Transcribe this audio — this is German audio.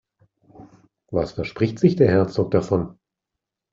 Was verspricht sich der Herzog davon?